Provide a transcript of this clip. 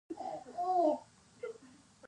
ایا ستاسو مربا به خوږه نه وي؟